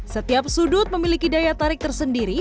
setiap sudut memiliki daya tarik tersendiri